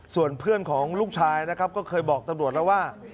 ส่วนเพื่อนของลูกชายนะครับก็เคยบอกตำรวจแล้วว่า